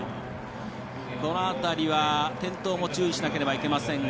この辺りは、転倒も注意しなければなりませんが。